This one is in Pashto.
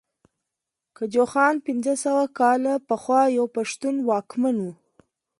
ګجوخان پنځه سوه کاله پخوا يو پښتون واکمن وو